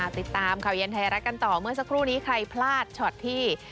ติดตามข่าวเย็นไทยรัฐกันต่อเมื่อสักครู่นี้ใครพลาดช็อตที่